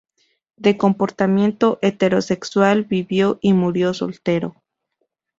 De comportamiento heterosexual, vivió y murió soltero.